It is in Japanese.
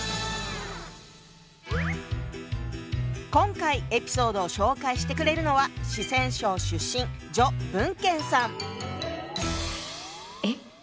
今回エピソードを紹介してくれるのはを思い出したり。